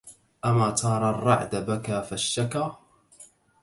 أما ترى الرعد بكى فاشتكى